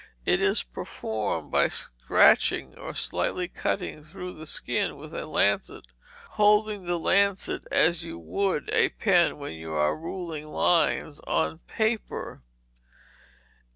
It is performed by scratching or slightly cutting through the skin with a lancet, holding the lancet as you would a pen when you are ruling lines on paper.